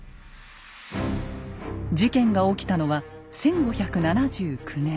事件が起きたのは１５７９年。